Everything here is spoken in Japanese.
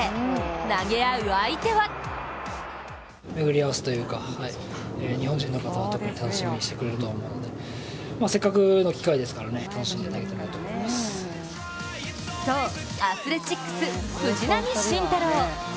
投げ合う相手はそう、アスレチックス・藤浪晋太郎。